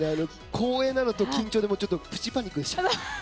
光栄なのと緊張でプチパニックでした。